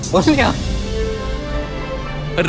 วันนี้เหรอ